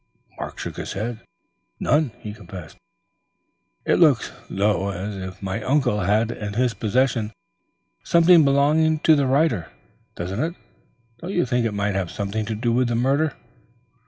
Mark shook his head. "None," he confessed. "It looks, though, as if my uncle had in his possession something belonging to the writer, doesn't it? Don't you think it might have something to do with the murder?"